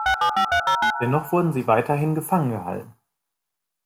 Dennoch wurde sie weiterhin gefangen gehalten.